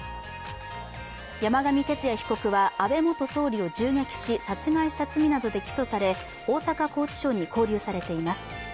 山上徹也被告は安倍元総理を銃撃し殺害した罪などで起訴され、大阪拘置所に勾留されています。